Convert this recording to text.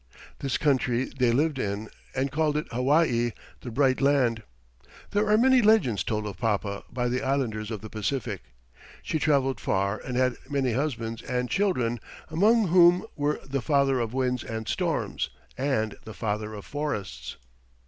This country they lived in and called it Hawaii, "the Bright Land." There are many legends told of Papa by the islanders of the Pacific. She traveled far, and had many husbands and children, among whom were "the father of winds and storms," and "the father of forests."